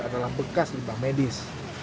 adalah bekas limbah medis